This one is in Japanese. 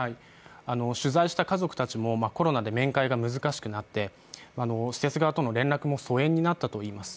取材した家族たちもコロナで面会が難しくなって施設側との連絡も疎遠になったといいます。